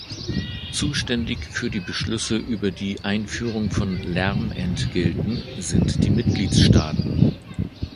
Zuständig für Beschlüsse über die Einführung von Lärmentgelten sind die Mitgliedstaaten.